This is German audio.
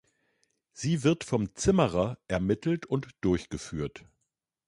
Sie wird vom Zimmerer ermittelt und durchgeführt.